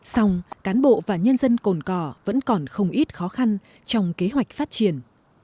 xong cán bộ và nhân dân cồn cỏ vẫn còn không ít khó khăn trong kế hoạch phát triển